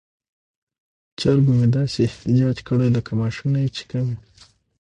چرګو مې داسې احتجاج کړی لکه معاشونه یې چې کم وي.